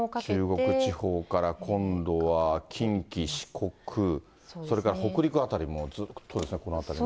中国地方から今度は近畿、四国、それから北陸辺りもずっとですね、この辺りね。